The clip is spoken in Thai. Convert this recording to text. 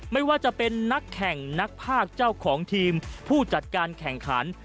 ไม่ว่าจะเป็นนักแข่งนักภาคเจ้าของทีมผู้จัดการแข่งขัน